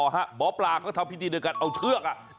หมอปลาก็ทำพิธีด้วยการเอาเชือก